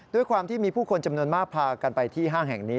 ด้วยความที่มีผู้คนจำนวนมากพากันไปที่ห้างแห่งนี้